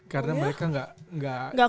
karena mereka gak cocok